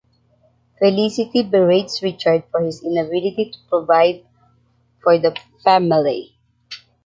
Felicity berates Richard for his inability to provide for the family.